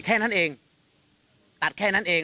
แค่นั้นเองตัดแค่นั้นเอง